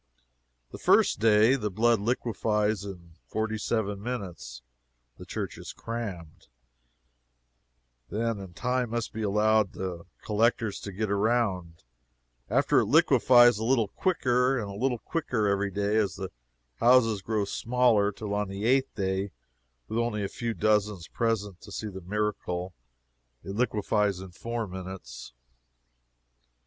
The first day, the blood liquefies in forty seven minutes the church is crammed, then, and time must be allowed the collectors to get around: after that it liquefies a little quicker and a little quicker, every day, as the houses grow smaller, till on the eighth day, with only a few dozens present to see the miracle, it liquefies in four minutes.